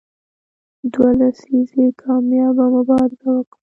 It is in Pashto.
دوه لسیزې کامیابه مبارزه وکړه.